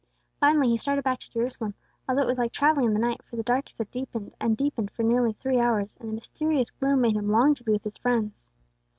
Finally he started back to Jerusalem, although it was like travelling in the night, for the darkness had deepened and deepened for nearly three hours, and the mysterious gloom made him long to be with his friends.